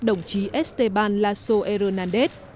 đồng chí esteban lasso hernández